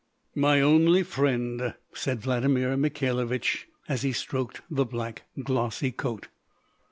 "My only friend!" said Vladimir Mikhailovich, as he stroked the black, glossy coat.